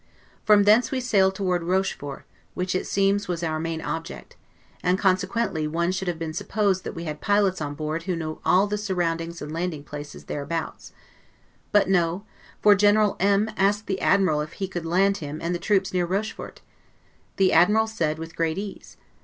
From thence we sailed toward Rochfort, which it seems was our main object; and consequently one should have supposed that we had pilots on board who knew all the soundings and landing places there and thereabouts: but no; for General M t asked the Admiral if he could land him and the troops near Rochfort? The Admiral said, with great ease.